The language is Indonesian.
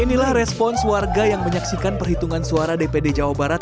inilah respons warga yang menyaksikan perhitungan suara dpd jawa barat